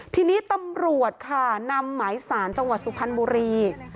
ทีนี้ตำรวจค่ะนำหมายสารจังหวัดสุพรรณบุรี